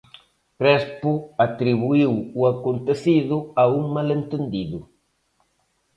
Crespo atribuíu o acontecido a "un malentendido".